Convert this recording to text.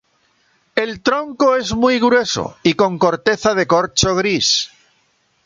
El tronco es muy grueso, y con corteza de corcho gris.